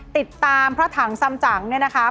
ติดตามพระถังสำจังเนี่ยนะคะ